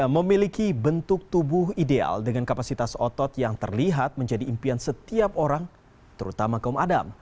memiliki bentuk tubuh ideal dengan kapasitas otot yang terlihat menjadi impian setiap orang terutama kaum adam